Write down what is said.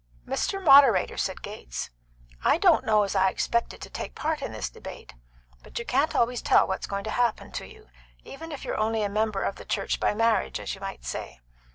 "Mr. Moderator," said Gates, "I don't know as I expected to take part in this debate; but you can't always tell what's going to happen to you, even if you're only a member of the church by marriage, as you might say.